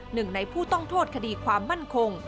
หนึ่งในผู้ต้องโทษคดีความมั่นคง